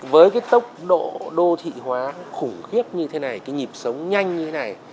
với cái tốc độ đô thị hóa khủng khiếp như thế này cái nhịp sống nhanh như thế này